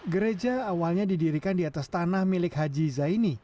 gereja awalnya didirikan di atas tanah milik haji zaini